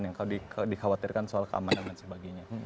yang dikhawatirkan soal keamanan